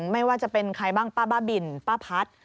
ไม่ว่าจะเป็นใครบ้างป้าบ้าบินป้าพัด